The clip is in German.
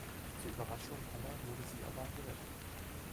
Zur Überraschung aller wurde sie aber gewählt.